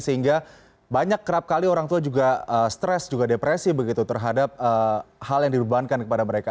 sehingga banyak kerap kali orang tua juga stres juga depresi begitu terhadap hal yang dibebankan kepada mereka